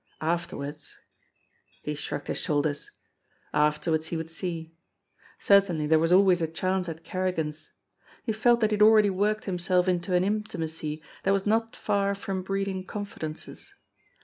Afterwards He shrugged his shoulders. Afterwards he would see ! Cer tainly there was always a chance at Kerrigan's. He felt that he had already worked himself into an intimacy that was not far from breeding confidences.